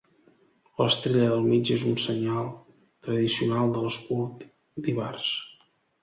L'estrella del mig és un senyal tradicional de l'escut d'Ivars.